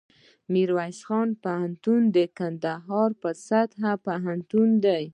میرویس نیکه پوهنتون دکندهار په سطحه پوهنتون دی